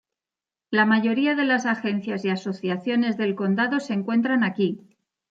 La mayoría de las agencias y asociaciones del condado se encuentran aquí.